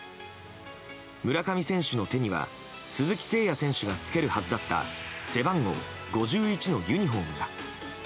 村上選手の手には鈴木誠也選手がつけるはずだった背番号５１のユニホームが。